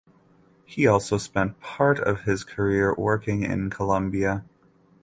He also spent part of his career working in Colombia.